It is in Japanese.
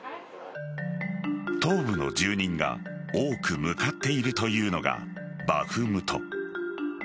東部の住人が多く向かっているというのがバフムト。